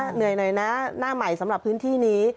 เหนื่อยหน่อยนะหน้าใหม่สำหรับพื้นที่นี้